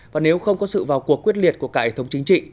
và nếu không có sự vào cuộc quyết liệt của cải thống chính trị